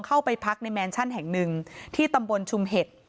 เข้าไปพักในแมนชั่นแห่งหนึ่งที่ตำบลชุมเห็ด